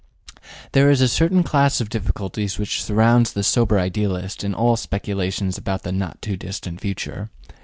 There is a certain class of difficulties which surrounds the sober idealist in all speculations about the not too distant future.